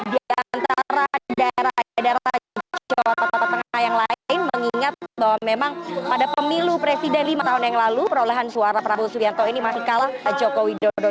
di antara daerah daerah jawa tengah yang lain mengingat bahwa memang pada pemilu presiden lima tahun yang lalu perolehan suara prabowo subianto ini masih kalah jokowi dodo